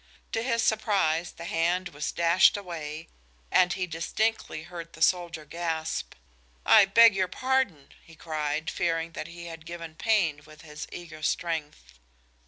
To his surprise the hand was dashed away, and he distinctly heard the soldier gasp. "I beg your pardon!" he cried, fearing that he had given pain with his eager strength.